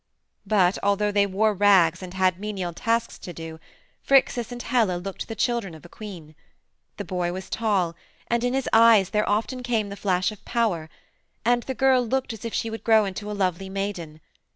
"But although they wore rags and had menial tasks to do, Phrixus and Helle looked the children of a queen. The boy was tall, and in his eyes there often came the flash of power, and the girl looked as if she would grow into a lovely maiden.